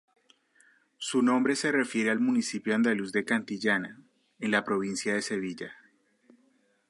Su nombre se refiere al municipio andaluz de Cantillana, en la provincia de Sevilla.